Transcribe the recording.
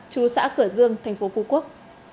chú xã cửa dương tp phú quốc